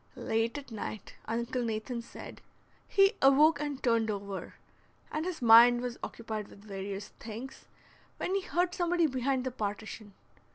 Late at night, Uncle Nathan said, he awoke and turned over, and his mind was occupied with various things, when he heard somebody behind the partition.